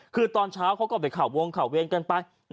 คือตอนเช้าเขาก็ไปข่าววงข่าวเวรกันไป